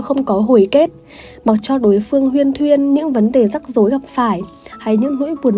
không có hồi kết mặc cho đối phương huyên thuyên những vấn đề rắc rối gặp phải hay những nỗi buồn